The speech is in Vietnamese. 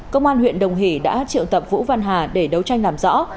công an huyện đồng hỷ đã triệu tập vũ văn hà để đấu tranh làm rõ